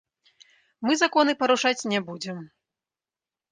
Мы законы парушаць не будзем.